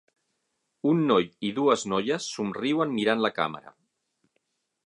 Un noi i dues noies somriuen mirant la càmera.